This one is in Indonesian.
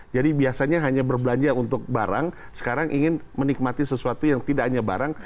jadi biasanya hanya berbelanja untuk barang sekarang ingin menikmati sesuatu yang tidak hanya barang